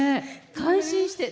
感心して。